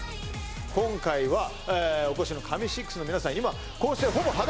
今回はお越しの神６の皆さん